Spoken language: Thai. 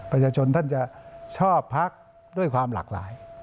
ประชาชนท่านจะชอบพักด้วยความหลากหลาย